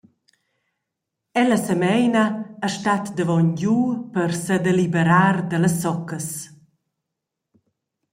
Ella semeina e stat davongiu per sedeliberar dallas soccas.